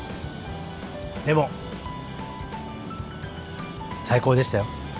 でも最高でしたよ。